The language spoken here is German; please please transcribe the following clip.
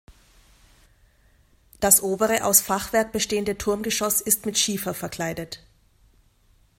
Das obere aus Fachwerk bestehende Turmgeschoss ist mit Schiefer verkleidet.